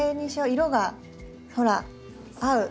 色がほら合う！